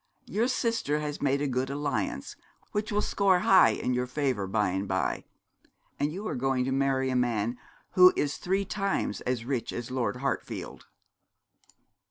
Your sister has made a good alliance, which will score high in your favour by and by, and you are going to marry a man who is three times as rich as Lord Hartfield.'